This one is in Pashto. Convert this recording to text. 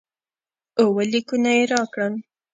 اووه لیکونه یې راکړل.